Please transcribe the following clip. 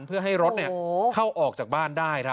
เพื่อให้รถเข้าออกจากบ้านได้